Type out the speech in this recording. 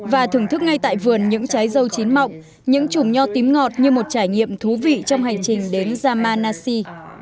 và thưởng thức ngay tại vườn những trái dâu chín mọc những trùng nho tím ngọt như một trải nghiệm thú vị trong hành trình đến yamanashi